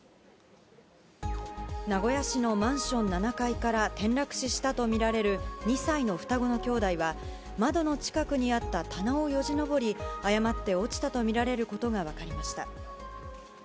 名古屋市のマンション７階から転落死したと見られる２歳の双子の兄弟は、窓の近くにあった棚をよじのぼり、誤って落ちたと見られることが分かりました。